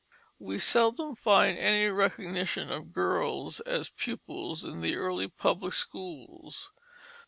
We seldom find any recognition of girls as pupils in the early public schools.